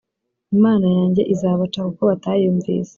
Imana yanjye izabaca kuko batayumvise,